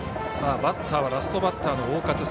バッターはラストバッターの大勝。